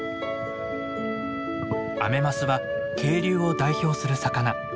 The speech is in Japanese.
アメマスは渓流を代表する魚。